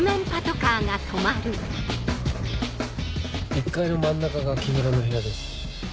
１階の真ん中が木村の部屋です。